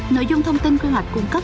nội dung thông tin quy hoạch cung cấp